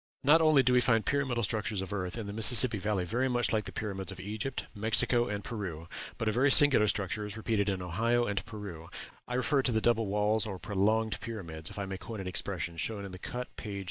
Not only do we find pyramidal structures of earth in the Mississippi Valley very much like the pyramids of Egypt, Mexico, and Peru, but a very singular structure is repeated in Ohio and Peru: I refer to the double walls or prolonged pyramids, if I may coin an expression, shown in the cut page 375.